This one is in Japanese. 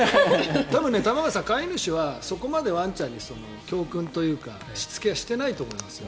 多分、飼い主さんはそこまでワンちゃんに教訓というか、しつけはしてないと思いますよ。